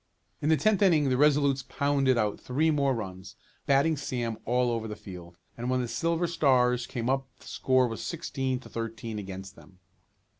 In the tenth inning the Resolutes pounded out three more runs, batting Sam all over the field, and when the Silver Stars came up the score was sixteen to thirteen against them.